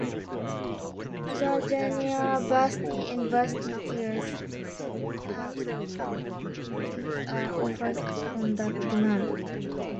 Other junior varsity and varsity teams are offered on demand.